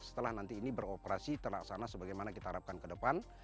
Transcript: setelah nanti ini beroperasi terlaksana sebagaimana kita harapkan ke depan